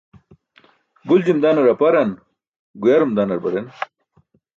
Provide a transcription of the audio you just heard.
Guljim danar aparan, guyarum danar baren.